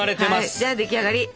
じゃあ出来上がり！